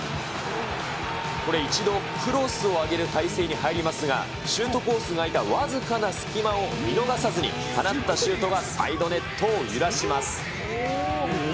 これ、一度クロスを上げる体勢に入りますが、シュートコースが開いた僅かな隙を見逃さずに、放ったシュートがサイドネットを揺らします。